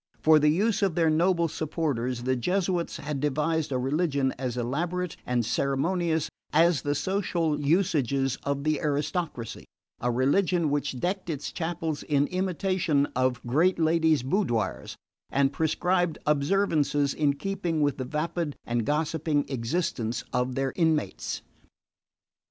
For the use of their noble supporters, the Jesuits had devised a religion as elaborate and ceremonious as the social usages of the aristocracy: a religion which decked its chapels in imitation of great ladies' boudoirs and prescribed observances in keeping with the vapid and gossiping existence of their inmates.